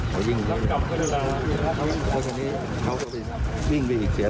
เค้าวิ่งไปหรือยัง